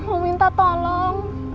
mau minta tolong